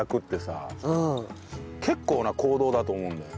結構な行動だと思うんだよ。